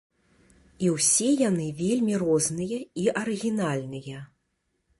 І ўсе яны вельмі розныя і арыгінальныя.